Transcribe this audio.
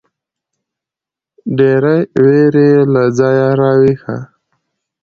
ډېـرې وېـرې له ځايـه راويـښه.